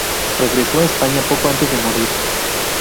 Regresó a España poco antes de morir.